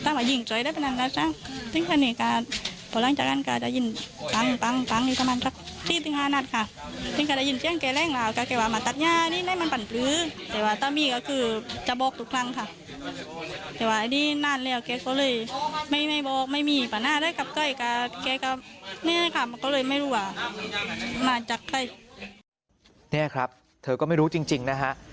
นี่ครับเธอก็ไม่รู้จริงนะฮะ